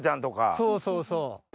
そうそうそう。